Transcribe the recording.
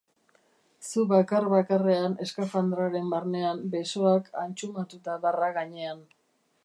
Zu bakar-bakarrean eskafandraren barnean, besoak antxumatuta barra gainean.